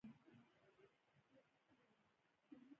ځغاسته د ذهن روښانتیا ده